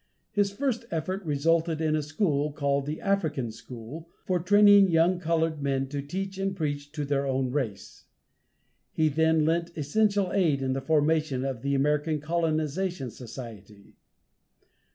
His first effort resulted in a school, called the African School, for training young colored men to teach and preach to their own race. He then lent essential aid in the formation of the American Colonization Society.